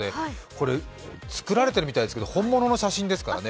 これ、作られてるみたいですけど本物の写真ですからね。